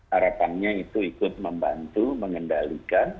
harapannya itu ikut membantu mengendalikan